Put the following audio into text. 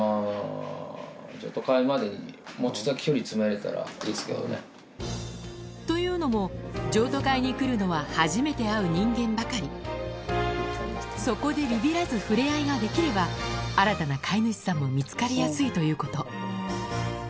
いいですけどね。というのも譲渡会に来るのは初めて会う人間ばかりそこでビビらず触れ合いができれば新たな飼い主さんも見つかりやすいということ